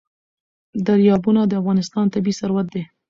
دریابونه د افغانستان طبعي ثروت دی.